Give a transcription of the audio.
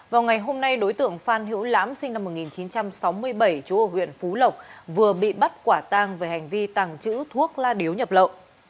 vào ngày hôm nay đối tượng phan hữu lãm sinh năm một nghìn chín trăm sáu mươi bảy chú ở huyện phú lộc vừa bị bắt quả tang về hành vi tàng trữ thuốc la điếu nhập lậu